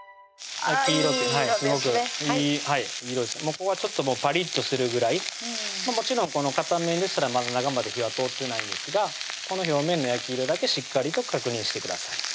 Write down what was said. ここはパリッとするぐらいもちろんこの片面ですらまだ中まで火は通ってないんですがこの表面の焼き色だけしっかりと確認してください